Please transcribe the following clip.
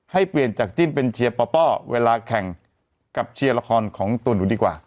ให้เปลี่ยนจากจิ้นเป็นเชียร์ป้อเวลาแข่งกับเชียร์ละครของตัวหนูดีกว่า